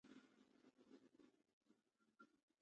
احمد وويل: ونې قيمتي دي خاوره غواړي.